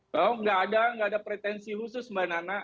bahwa nggak ada pretensi khusus mbak nana